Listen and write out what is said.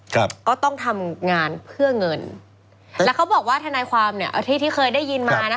ก็ต้องทำงานเพื่อเงินแล้วเขาบอกว่าทนายความเนี่ยที่ที่เคยได้ยินมานะคะ